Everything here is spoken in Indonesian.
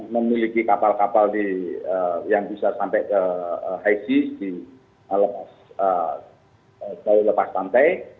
memiliki kapal kapal yang bisa sampai ke high di lepas pantai